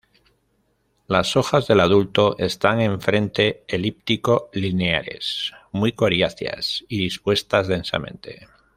Las hojas del adulto están enfrente, elíptico lineares, muy coriáceas y dispuestas densamente.